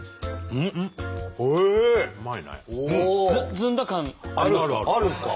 ずんだ感ありますか？